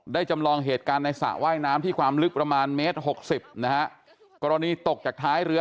จำลองเหตุการณ์ในสระว่ายน้ำที่ความลึกประมาณเมตรหกสิบนะฮะกรณีตกจากท้ายเรือ